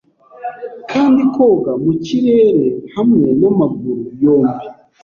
Kandi koga mu kirere hamwe n'amaguru yombi